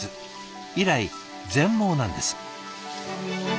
以来全盲なんです。